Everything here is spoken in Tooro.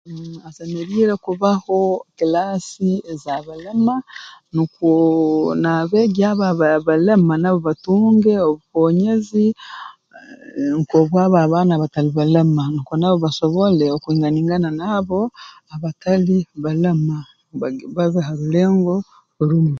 Asemeriire kubaho kilaasi ez'abalema nukwo n'abeegi abo aba abalema nabo batunge obukoonyezi aarr nk'obwabo abaana abatali balema nukwo nabo basobole okwingaingana naabo abatali balema bagi babe ha rulengo rumu